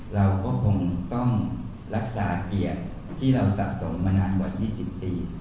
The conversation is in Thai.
เราก็คงต้องรักษาเกียรติที่เราสะสมมานานกว่า๒๐ปี